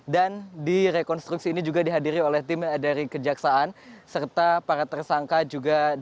dan di rekonstruksi ini juga dihadiri oleh tim dari kejaksaan serta para tersangka juga didukung